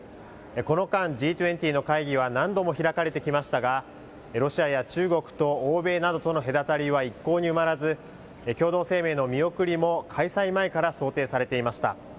この間、Ｇ２０の会議は何度も開かれてきましたが、ロシアや中国と欧米などとの隔たりは一向に埋まらず、共同声明の見送りも開催前から想定されていました。